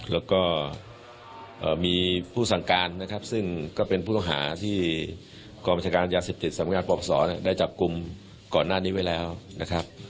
แล้วก็มีผู้สั่งการนะครับซึ่งก็เป็นผู้ต้องหาที่กองบัญชาการยาเสพติดสำนักงานปรกศได้จับกลุ่มก่อนหน้านี้ไว้แล้วนะครับ